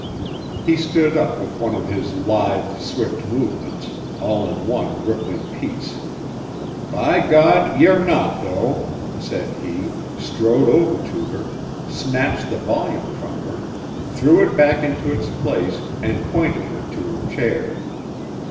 He stood up with one of his lithe, swift movements, all in one rippling piece. "By God, you're not, though!" said he, strode over to her, snatched the volume from her, threw it back into its place, and pointed her to her chair.